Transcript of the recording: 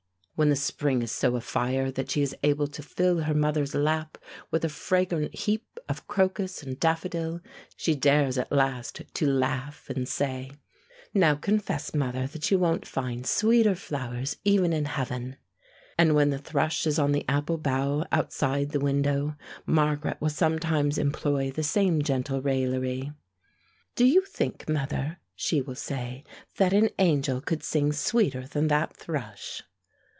When the spring is so afire that she is able to fill her mother's lap with a fragrant heap of crocus and daffodil, she dares at last to laugh and say, "Now confess, mother, that you won't find sweeter flowers even in heaven." And when the thrush is on the apple bough outside the window, Margaret will sometimes employ the same gentle raillery. "Do you think, mother," she will say, "that an angel could sing sweeter than that thrush?"